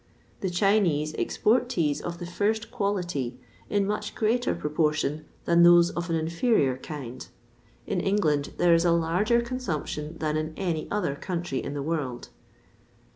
The Chinese export teas of the first quality in much greater proportion than those of an inferior kind. In England there is a larger consumption than in any other country in the world.